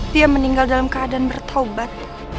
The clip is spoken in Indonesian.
dia meninggal dalam keadaan bertobat